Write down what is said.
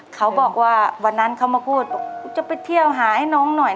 เขาบอกว่าวันนั้นเขามาพูดกูจะไปเที่ยวหาให้น้องหน่อย